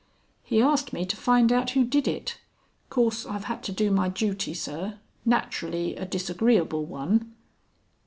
"He asked me to find out who did it. Course I've had to do my duty, Sir. Naturally a disagreeable one."